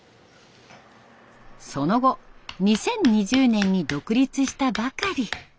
その後２０２０年に独立したばかり。